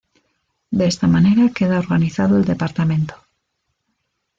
De esta manera queda organizado el departamento.